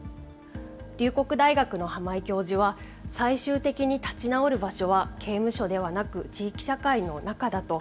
龍谷大学の浜井教授は、最終的に立ち直る場所は刑務所ではなく、地域社会の中だと。